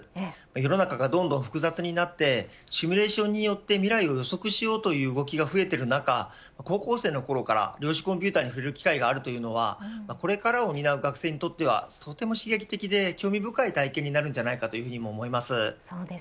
世の中がどんどん複雑になってシミュレーションによって未来を予測しようという動きが増えている中、高校生のころから量子コンピューターに触れる機会があるというのはこれからを担う学生にとってはとても刺激的で興味深い体験になるんじゃないかと思います。